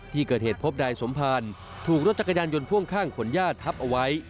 ที่เกิดเหตุพบนายสมภารถูกรถจักรยานยนต์พ่วงข้างขนญาติทับเอาไว้